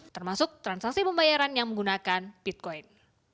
termasuk transaksi pembayaran yang menggunakan bitcoin